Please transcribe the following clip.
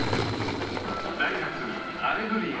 「ダイハツアレグリア」。